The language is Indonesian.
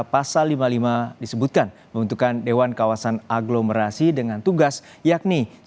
pasal lima puluh lima disebutkan membentukan dewan kawasan aglomerasi dengan tugas yakni